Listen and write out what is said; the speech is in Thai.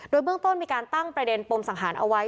โดยเบื้องต้นมีการตั้งประเด็นปมสังหารเอาไว้